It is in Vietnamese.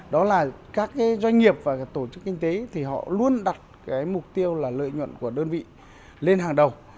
đó là các doanh nghiệp và tổ chức kinh tế thì họ luôn đặt cái mục tiêu là lợi nhuận của đơn vị lên hàng đầu